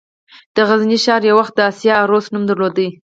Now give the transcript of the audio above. د غزني ښار یو وخت د «د اسیا عروس» نوم درلود